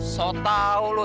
so tau lu